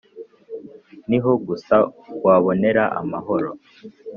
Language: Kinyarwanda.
Niho gusa wabonera amahoro